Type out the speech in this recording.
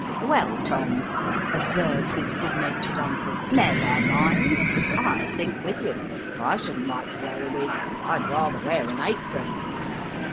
"Well, Tom," observed his good natured uncle, "never mind! I think with you. I shouldn't like to wear a wig. I'd rather wear an apron."